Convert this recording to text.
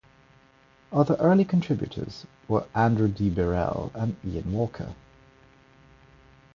Other early contributors were Andrew D. Birrell and Ian Walker.